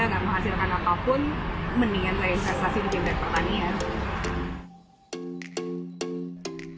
gak menghasilkan apapun mendingan saya investasi di fintech pertanian